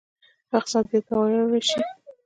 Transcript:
اقتصاد باید پیاوړی شي